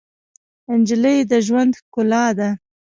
نجلۍ د ژوند ښکلا ده.